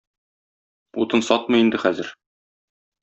Утын сатмый инде хәзер.